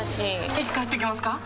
いつ帰ってきますか？